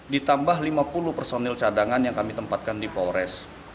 ditambah lima puluh personil cadangan yang kami tempatkan di polres